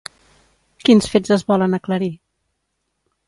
Quins fets es volen aclarir?